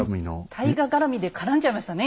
大河絡みで絡んじゃいましたね